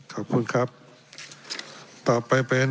ขอบคุณครับ